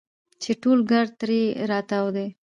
چې ټول ګرد ترې راتاو دي.